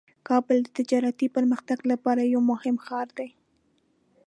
کابل د تجارتي پرمختګ لپاره یو مهم ښار دی.